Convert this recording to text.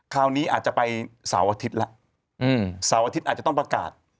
คราวนี้อาจจะไปเสาร์อาทิตย์แล้วเสาร์อาทิตย์อาจจะต้องประกาศ